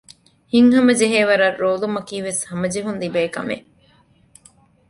ހިތްހަމަ ޖެހޭވަރަށް ރޯލުމަކީވެސް ހަމަޖެހުން ލިބޭކަމެއް